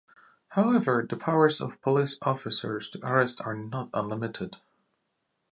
However, the powers of police officers to arrest are not unlimited.